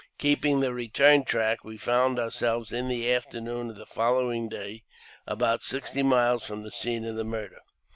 Keeping the return track, we found our selves, in the afternoon of the following day, about sixty miles from the scene of murder.